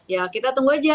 ya kita tunggu aja